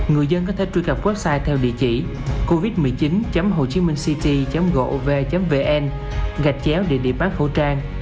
người dân có thể truy cập website theo địa chỉ covid một mươi chín hochiminhcity gov vn gạch chéo địa điểm bán khẩu trang